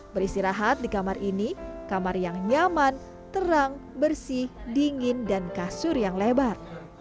beristirahat di kamar ini kamar yang nyaman terang bersih dingin dan kasur yang lebar